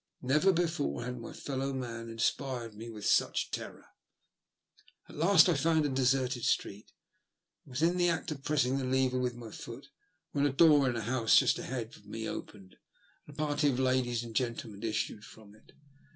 Never before had my fellow man inspired me with such terror. At last I found a deserted street, and was in the act of pressing the lever with my foot when a door in a house just ahead of me opened, and a party of ladies and gentlemen issued from it.